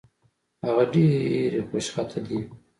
هغه ډېرې خوشخطه دي